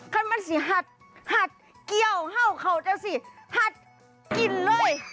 คันมันสิหัดเกี้ยวเห่าเขาเจ้าสิหัดกินเลย